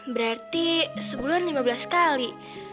berarti sebulan lima belas kali